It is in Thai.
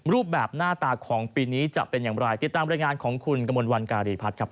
รูปแบบหน้าตาของปีนี้จะเป็นอย่างไรติดตามรายงานของคุณกมลวันการีพัฒน์ครับ